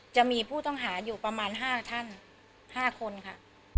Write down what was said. จะมีผู้ต้องหาอยู่ประมาณ๕ท่าน๕คนค่ะ